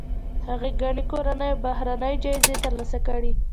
هغې ګڼې کورنۍ او بهرنۍ جایزې ترلاسه کړي.